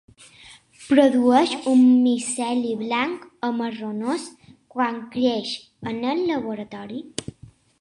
Produeix un miceli blanc a marronós quan creix en el laboratori.